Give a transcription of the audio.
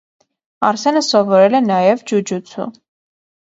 Արսենը սովորել է նաև ջուջուցու։